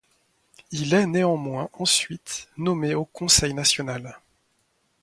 Il est néanmoins ensuite nommé au Conseil national.